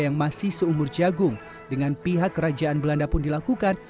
yang masih seumur jagung dengan pihak kerajaan belanda pun dilakukan